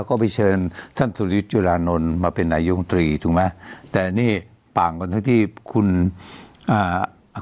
ก็ไปเชิญท่านสุริยจุลานนท์มาเป็นนายุงตรีถูกไหมแต่นี่ต่างกันเท่าที่คุณอ่า